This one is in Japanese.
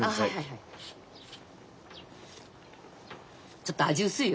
ちょっと味薄いよ。